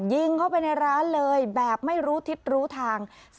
ยิงเข้าไปในร้านเลยแบบไม่รู้ทิศรู้ทาง